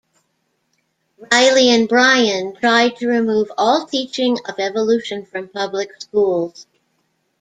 Riley and Bryan tried to remove all teaching of evolution from public schools.